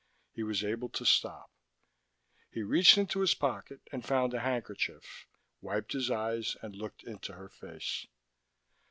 He was able to stop. He reached into his pocket and found a handkerchief, wiped his eyes and looked into her face.